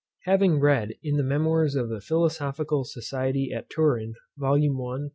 Having read, in the Memoirs of the Philosophical Society at Turin, vol. I. p.